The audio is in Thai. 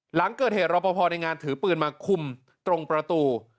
หลังเกิดเหตุรอปภในงานถือปืนมาคุมตรงประตู